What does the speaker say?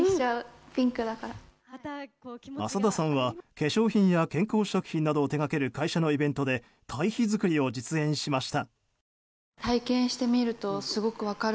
浅田さんは化粧品や健康食品を手掛ける会社のイベントで堆肥作りを実演しました。